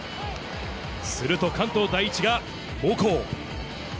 すると関東第一が猛攻。